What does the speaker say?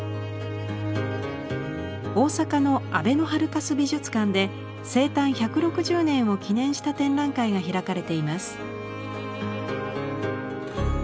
大阪のあべのハルカス美術館で生誕１６０年を記念した展覧会が開かれています。